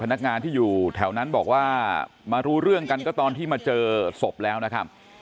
พนักงานที่อยู่แถวนั้นบอกว่ามารู้เรื่องกันก็ตอนที่มาเจอศพแล้วนะครับ